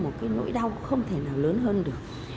một cái nỗi đau không thể nào lớn hơn được